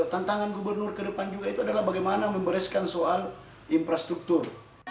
tantangan gubernur ke depan juga itu adalah bagaimana membereskan soal infrastruktur